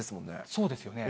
そうですよね。